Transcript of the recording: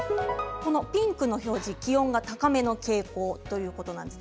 ピンクの表示、気温が高めの傾向ということなんです。